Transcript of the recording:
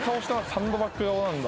サンドバッグ顔なんだ。